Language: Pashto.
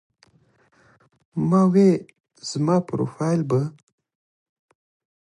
ما وې زما پروفائيل به